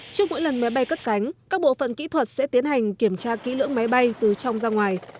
trước mỗi lần máy bay cất cánh các bộ phận kỹ thuật sẽ tiến hành kiểm tra kỹ lưỡng máy bay từ trong ra ngoài